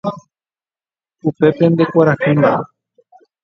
upépe ndekuarahýma.